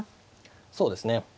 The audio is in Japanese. そうですね。